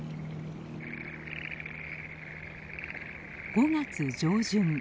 ５月上旬。